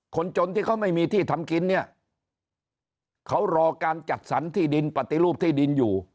คนจนที่เขาไม่มีที่ทำกินเนี่ยเขารอการจัดสรรที่ดินปฏิรูปที่ดินอยู่